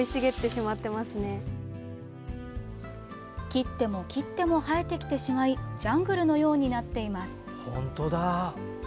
切っても切っても生えてきてしまいジャングルのようになっています。